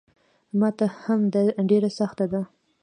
ماته هم ډېره سخته ده.